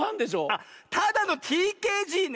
あっただのＴＫＧね。